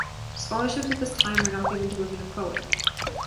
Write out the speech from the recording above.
Scholarships at this time were not given to women of color.